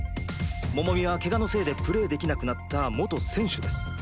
モモミはケガのせいでプレーできなくなった元選手です。